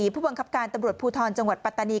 ผู้บังคับการตำรวจภูทรจังหวัดปัตตานี